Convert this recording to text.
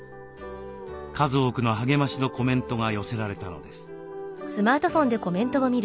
数多くの励ましのコメントが寄せられたのです。